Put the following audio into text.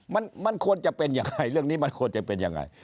มันมันควรจะเป็นยังไงเรื่องนี้มันควรจะเป็นยังไง